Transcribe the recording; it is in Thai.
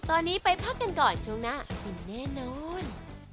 ตอนนี้ไปพักกันก่อนช่วงหน้าฟินแน่นอน